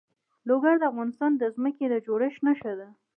لوگر د افغانستان د ځمکې د جوړښت نښه ده.